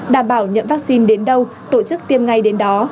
đảm bảo nhận vaccine đến đâu tổ chức tiêm ngay đến đó